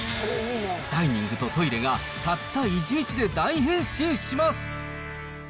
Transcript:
ダイニングとトイレがたった１日で大変身します。